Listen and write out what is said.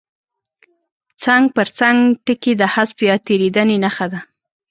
څنګ پر څنګ ټکي د حذف یا تېرېدنې نښه ده.